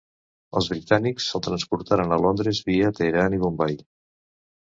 Els britànics el transportaren a Londres via Teheran i Bombai.